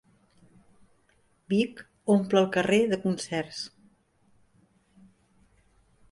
Vic omple el carrer de concerts